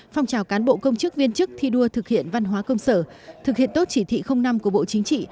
phong trào cán bộ công chức viên chức thi đua thực hiện văn hóa công sở thực hiện tốt chỉ thị năm của bộ chính trị